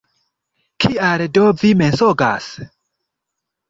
Kial do vi mensogas?